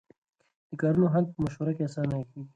د کارونو حل په مشوره کې اسانه کېږي.